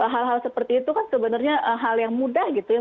hal hal seperti itu kan sebenarnya hal yang mudah gitu ya